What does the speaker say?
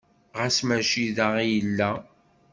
Ɣas mačči da i yella?